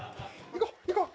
行こう行こう。